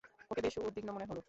ওকে বেশ উদ্বিগ্ন মনে হলো।